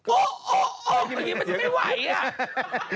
โอ๊ะโอ๊ะโอ๊ะอย่างนี้มันจะไม่ไหวอ่ะ